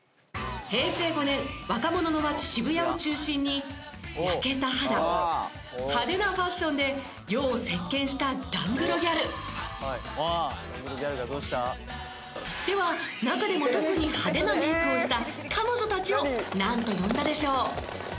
平成５年若者の街渋谷を中心に焼けた肌派手なファッションで世を席巻したガングロギャルがどうした？では中でも特に派手なメイクをした彼女たちをなんと呼んだでしょう？